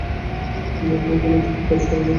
দেখবো ওগুলো দিয়ে কী করা যায়।